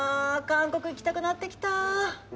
韓国行きたくなってきた。